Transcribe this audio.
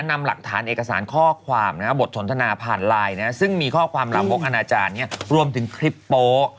นำหลักฐานเอกสารข้อความบทสนทนาผ่านไลน์ซึ่งมีข้อความลามกอนาจารย์รวมถึงคลิปโป๊ะ